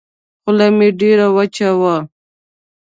خوله مې ډېره وچه وه.